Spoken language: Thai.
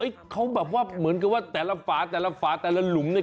เอ้ยเขาแบบว่าเหมือนกันว่าแต่ละฝาลุมเนี่ย